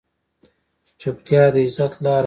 چپتیا، د عزت لاره ده.